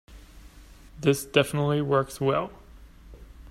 This definitely works well.